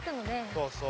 そうそう。